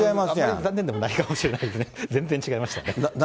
残念でもないかもしれないですね、全然違いました。